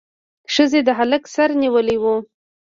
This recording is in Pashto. ښځې د هلک سر نیولی و.